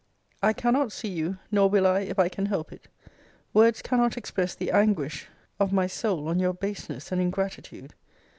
I cannot see you: nor will I, if I can help it. Words cannot express the anguish of my soul on your baseness and ingratitude.